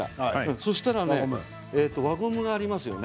そしたらね、輪ゴムがありますね